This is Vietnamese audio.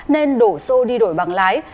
nên đổ xô đi đổi bằng lái